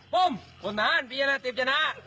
ผมคุณทหารพิจารณาสิบจนา